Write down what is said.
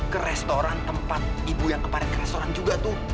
ke restoran tempat ibu yang kemarin ke restoran juga tuh